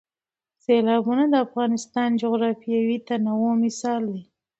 سیلابونه د افغانستان د جغرافیوي تنوع مثال دی.